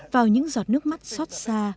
vào những giọt nước mắt xót xa